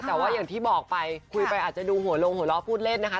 แต่ว่าอย่างที่บอกไปคุยไปอาจจะดูหัวลงหัวเราะพูดเล่นนะคะ